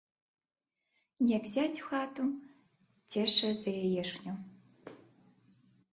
Як зяць у хату — цешча за яечню